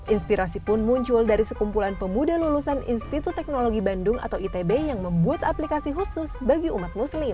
inspirasi pun muncul dari sekumpulan pemuda lulusan institut teknologi bandung atau itb yang membuat aplikasi khusus bagi umat muslim